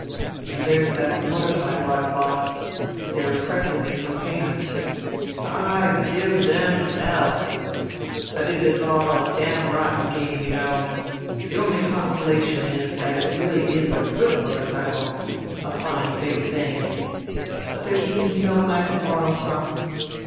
And there's that motor cycle I've bought, and they are pressing me for payment. I give dem h h hell ! But it is all a damrotten game, you know. The only consolation is that it really is a good motor cycle — a fine big thing. But there seems no one I could borrow from."